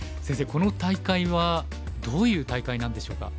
この大会はどういう大会なんでしょうか？